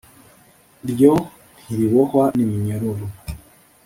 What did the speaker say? ryo ntiribohwa n iminyururu